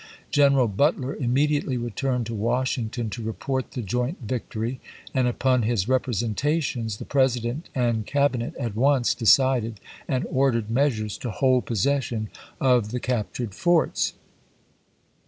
Greneral Butler w?R^vol■. immediately returned to Washington to report the "^' joint victory, and upon his representations the President and Cabinet at once decided and ordered measures to hold possession of the captured forts.